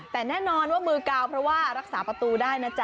แต่แน่นอนว่ามือกาวเพราะว่ารักษาประตูได้นะจ๊